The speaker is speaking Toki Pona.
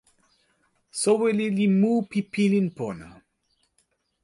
soweli li mu pi pilin pona.